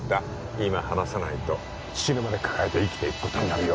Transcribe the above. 今話さないと死ぬまで抱えて生きていくことになるよ